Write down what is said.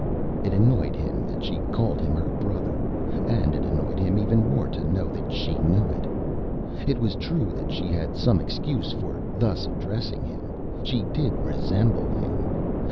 It annoyed him that she called him her brother, and it annoyed him even more to know that she knew it. It was true that she had some excuse for thus addressing him. She did resemble him.